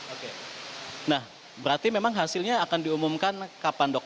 oke nah berarti memang hasilnya akan diumumkan kapan dok